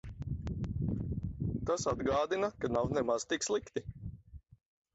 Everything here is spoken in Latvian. Tas atgādina, ka nav nemaz tik slikti.